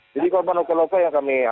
jadi korban luka luka yang kami lakukan